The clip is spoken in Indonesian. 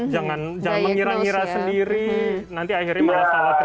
jangan mengira ngira sendiri nanti akhirnya malah salah treatment gitu ya